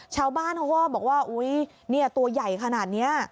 ชาวบ้านเขาก็บอกว่าอุ๊ยตัวใหญ่ขนาดนี้